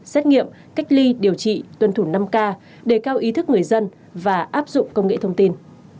xét nghiệm cách ly điều trị tuân thủ năm k để cao ý thức người dân và áp dụng công nghệ thông tin